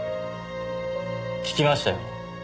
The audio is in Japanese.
聞きましたよ。